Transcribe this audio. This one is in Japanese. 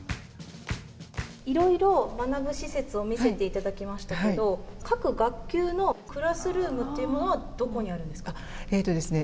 いろいろ学ぶ施設を見せていただきましたけれども、各学級のクラスルームというのはどこにあるんですか？